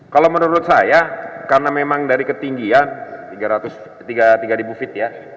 kalau menurut saya karena memang dari ketinggian tiga feet ya